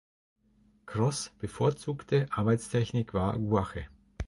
Cross’ bevorzugte Arbeitstechnik war Gouache.